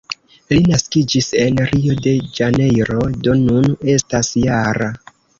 Li naskiĝis en Rio-de-Ĵanejro, do nun estas -jara.